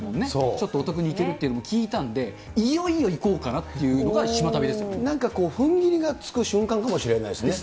ちょっとお得に行けるっていうのも聞いたんで、いよいよ行こうかなんかこう、踏ん切りがつく瞬間かもしれないですね。